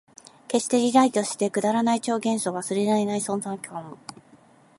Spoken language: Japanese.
消して、リライトして、くだらない超幻想、忘れらない存在感を